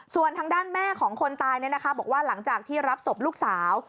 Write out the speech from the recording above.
ส่วนทางด้านแม่ของคนตายบอกว่าหลังจากที่รับศพลูกสาว